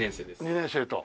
２年生と。